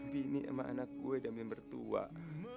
bini sama anak gue udah mimpi bertuah